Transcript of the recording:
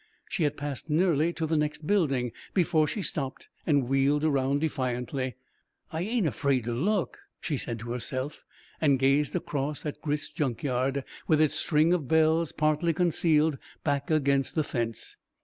She had passed nearly to the next building before she stopped and wheeled around defiantly. "I ain't afraid to look," she said to herself and gazed across at Grit's junk cart, with its string of bells, partly concealed back against the fence.